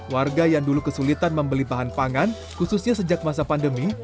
warga yang dulu kesulitan membeli bahan pangan khususnya sejak masa pandemi